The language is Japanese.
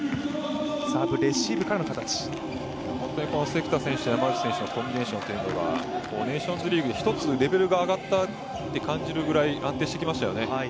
関田選手、山内選手のコンビネーションというのがネーションズリーグで１つレベルが上がったと感じるぐらい安定してきましたよね。